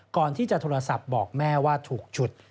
ก่อนที่จะโทรศัพท์บอกแม่ว่าถูกฉุด